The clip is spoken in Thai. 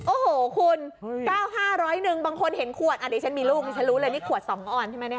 โอ้โหคุณ๙๕๐๑บางคนเห็นขวดอันนี้ฉันมีลูกดิฉันรู้เลยนี่ขวด๒อ่อนใช่ไหมเนี่ย